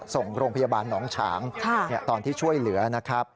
ส่งโรงพยาบาลหนองฉางตอนที่ช่วยเหลือนะครับ